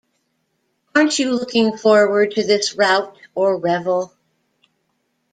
Aren't you looking forward to this rout or revel?